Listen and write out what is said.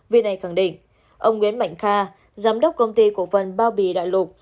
vì này khẳng định ông nguyễn mạnh kha giám đốc công ty cổ phần bao bì đại lục